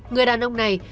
người đàn ông này